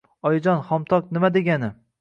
Oyijon, xomtok nima degani-i